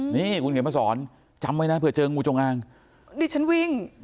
นี่คุณเขียนมาสอนจำไว้นะเผื่อเจองูจงอางดิฉันวิ่ง